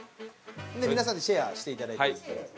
で皆さんでシェアしていただいて。